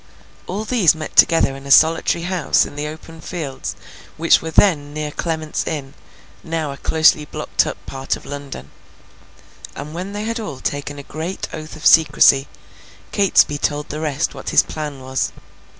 All these met together in a solitary house in the open fields which were then near Clement's Inn, now a closely blocked up part of London; and when they had all taken a great oath of secrecy, Catesby told the rest what his plan was.